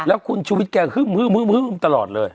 แล้วคุณชูวิดแกกำลังฮึ่มตลอดเลย